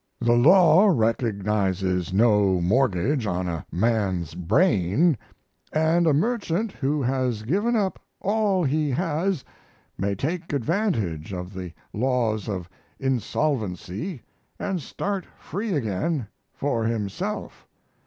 The law recognizes no mortgage on a man's brain, and a merchant who has given up all he has may take advantage of the laws of insolvency and start free again for himself.